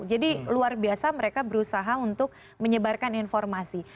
jadi luar biasa mereka berusaha untuk menyebarkan informasi